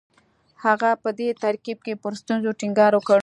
هغه په دې ترکیب کې پر ستونزو ټینګار وکړ